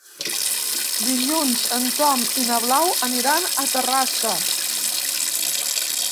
Dilluns en Tom i na Blau aniran a Terrassa.